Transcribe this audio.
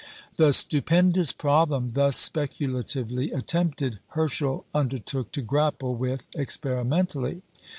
" The stupendous problem thus speculatively attempted, Herschel undertook to grapple with experimentally.